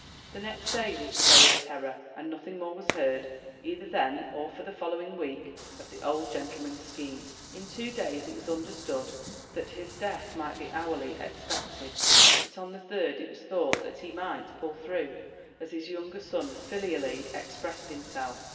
The next day was the day of terror, and nothing more was heard, either then or for the following week, of the old gentleman's scheme. In two days it was understood that his death might be hourly expected, but on the third it was thought that he might "pull through," as his younger son filially expressed himself.